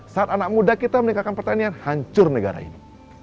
saat anak muda kita meninggalkan pertanian hancur negara ini